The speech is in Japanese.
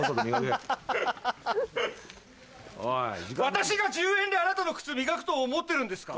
私が１０円であなたの靴磨くと思ってるんですか？